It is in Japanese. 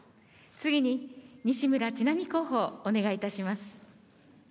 次に西村智奈美候補、お願いいたします。